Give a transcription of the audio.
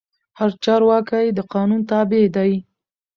هر چارواکی د قانون تابع دی